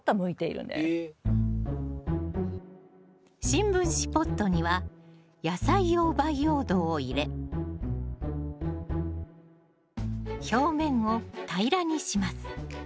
新聞紙ポットには野菜用培養土を入れ表面を平らにします。